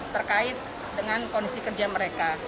terkait dengan kondisi kerja mereka